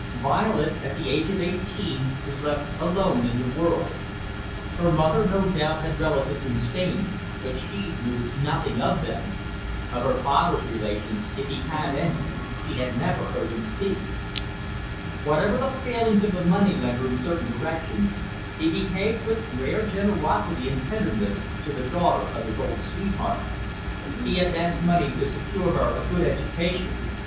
Violet, at the age of eighteen, was left alone in the world. Her mother, no doubt, had relatives in Spain, but she knew nothing of them. Of her father's relations, if he had any, she had never heard him speak. Whatever the failings of the moneylender in certain directions, he behaved with rare generosity and tenderness to the daughter of his old sweetheart. He advanced money to secure her a good education.